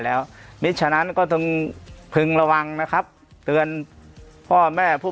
แล้วมิฉะนั้นก็ต้องพึงระวังนะครับเตือนพ่อแม่ผู้